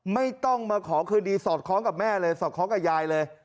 ไม่ต้องมาขอคืนดีสอดคล้องกับแม่เลยสอดคล้องกับยายเลย